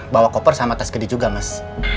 bawa koper sama tas kedi juga mas